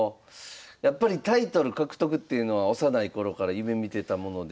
やっぱりタイトル獲得っていうのは幼い頃から夢みてたもので。